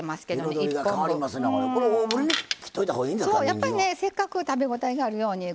やっぱりねせっかく食べ応えがあるように。